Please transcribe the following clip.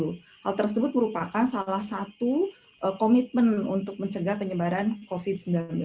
hal tersebut merupakan salah satu komitmen untuk mencegah penyebaran covid sembilan belas